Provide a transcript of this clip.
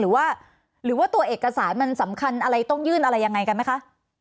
หรือว่าหรือว่าตัวเอกสารมันสำคัญอะไรต้องยื่นอะไรยังไงกันไหมคะ